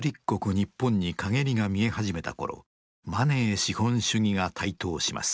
ニッポンに陰りが見え始めた頃マネー資本主義が台頭します。